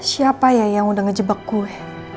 siapa ya yang udah ngejebek gue